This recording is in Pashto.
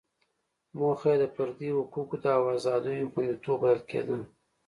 موخه یې د فردي حقوقو او ازادیو خوندیتوب بلل کېده.